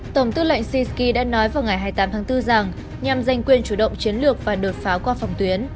tổng tư lệnh sisky đã nói vào ngày hai mươi tám tháng bốn rằng nhằm giành quyền chủ động chiến lược và đột phá qua phòng tuyến